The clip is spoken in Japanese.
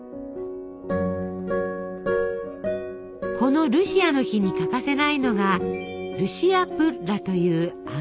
このルシアの日に欠かせないのが「ルシアプッラ」という甘いパン。